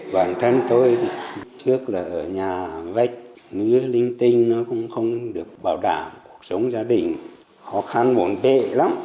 bản thân tôi trước là ở nhà vạch ngứa linh tinh nó cũng không được bảo đảm cuộc sống gia đình khó khăn bổn bệ lắm